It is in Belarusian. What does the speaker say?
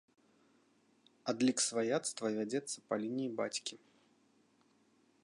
Адлік сваяцтва вядзецца па лініі бацькі.